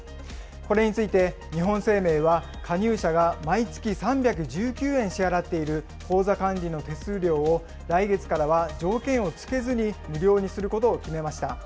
これについて日本生命は、加入者が毎月３１９円支払っている口座管理の手数料を来月からは条件を付けずに、無料にすることを決めました。